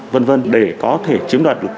vân vân để có thể chiếm đoạt được